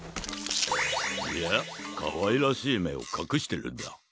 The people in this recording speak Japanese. いやかわいらしいめをかくしてるんだ。